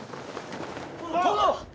殿！